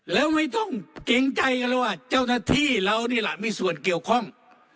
แล้วไม่ต้องเกรงใจกันเลยว่าเจ้าหน้าที่เรานี่แหละมีส่วนเกี่ยวข้อง